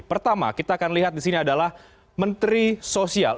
pertama kita akan lihat di sini adalah menteri sosial